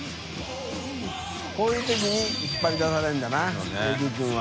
こういうときにいっぱい出されるんだなＡＤ君は。